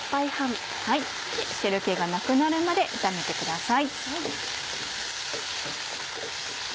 汁気がなくなるまで炒めてください。